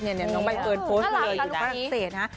น้องใบเฟิร์นโพสต์เลยอยู่ฝรั่งเศสนะ